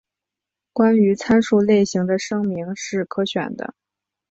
关于参数类型的声明是可选的。